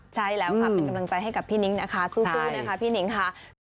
ใช่แล้วค่ะเป็นกำลังใจให้กับพี่นิ้งนะคะสู้นะคะพี่นิ้งค่ะ